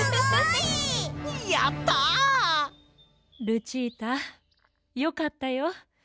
ルチータよかったよ。